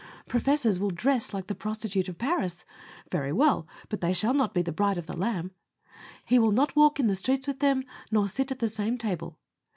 Professors will dress like the prostitute of Paris. Very well; but they shall not be the bride of the Lamb. He will not walk in the streets with them, nor sit at the same table.